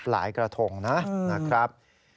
หลายกระทงนะครับ